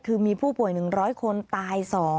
คือมีผู้ป่วย๑๐๐คนตาย๒